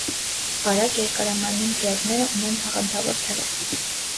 Բարակ, երկարամարմին կրետները ունեն թաղանթավոր թևեր։